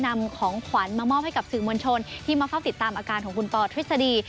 นำของขวัญมามอบให้กับสื่อมวลชนที่มาเฝ้าติดตามอาการของคุณปอทฤษฎี